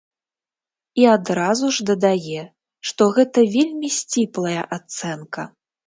І адразу ж дадае, што гэта вельмі сціплая ацэнка.